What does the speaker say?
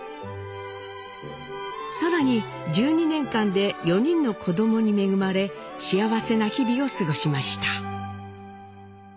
更に１２年間で４人の子供に恵まれ幸せな日々を過ごしました。